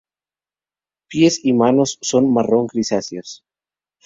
Pies y manos son marrón grisáceas.